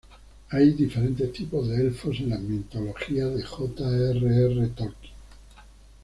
Hay diferentes tipos de elfos en la mitología de J. R. R. Tolkien.